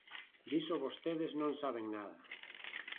Diso vostedes non saben nada.